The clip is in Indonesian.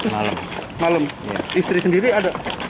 malam malam istri sendiri ada